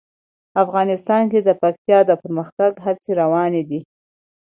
افغانستان کې د پکتیا د پرمختګ هڅې روانې دي.